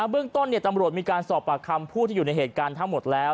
เรื่องต้นตำรวจมีการสอบปากคำผู้ที่อยู่ในเหตุการณ์ทั้งหมดแล้ว